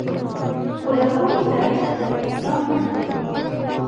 خو لرغونی تاریخ له اسلام مخکې و